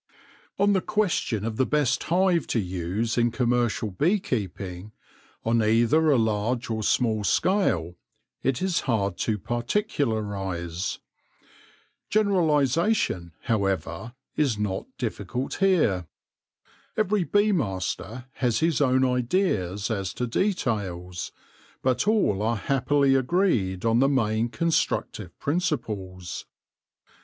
1 84 THE LORE OF THE HONEY BEE On the question of the best hive to use in com mercial bee keeping, on either a large or small scale, it is hard to particularise. Generalisation, however; is not difficult here. Every bee master has his own ideas as to details, but all are happily agreed on the main constructive principles.